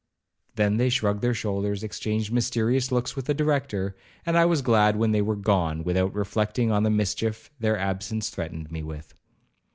Then they shrugged their shoulders, exchanged mysterious looks with the Director, and I was glad when they were gone, without reflecting on the mischief their absence threatened me with.